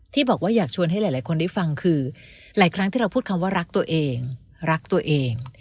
ที่บอกว่าอยากชวนให้หลายคนได้ฟังคือหลายครั้งที่เราพูดคำว่ารักตัวเองรักตัวเอง